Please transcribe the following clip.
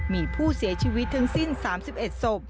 มีผู้เสียชีวิตทั้งสิ้น๓๑ศพ